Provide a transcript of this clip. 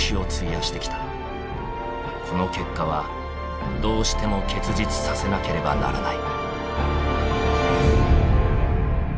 この結果はどうしても結実させなければならない。